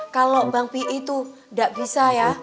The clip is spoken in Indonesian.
kalau bang pih itu nggak bisa ya